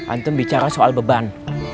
ustadz bicara soal beban